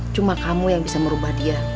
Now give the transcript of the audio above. cuma kamu yang bisa merubah dia